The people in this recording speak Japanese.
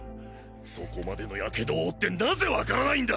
そこまでの火傷を負って何故わからないんだ！